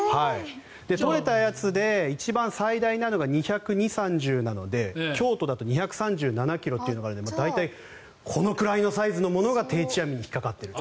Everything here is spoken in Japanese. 取れたやつで一番最大なのが２２０２３０ｋｇなので京都だと２３７ｋｇというのがあるので大体これくらいのサイズのものが定置網に引っかかってると。